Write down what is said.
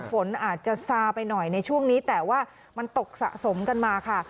ฝนอาจจะซาไปหน่อยในช่วงนี้แต่ว่ามันตกสะสมกันมาค่ะ